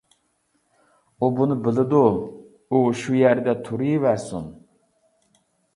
ئۇ بۇنى بىلىدۇ ئۇ شۇ يەردە تۇرۇۋەرسۇن.